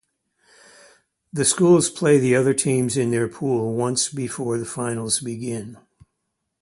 The schools play the other teams in their pool once before the finals begin.